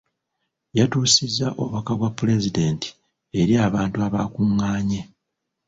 Yatuusizza obubaka bwa pulezidenti eri abantu abakungaanye.